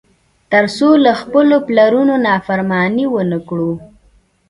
تر څو له خپلو پلرونو نافرماني ونه کړي.